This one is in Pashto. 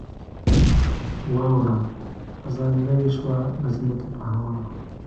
واوره ازانګه یې شوه له ځمکې په هوا